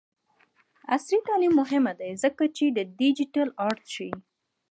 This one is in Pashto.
عصري تعلیم مهم دی ځکه چې د ډیجیټل آرټ ښيي.